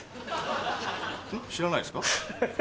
知らないですか？